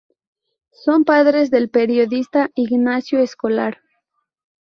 Son padres del periodista Ignacio Escolar.